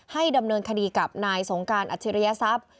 ดำเนินคดีกับนายสงการอัจฉริยทรัพย์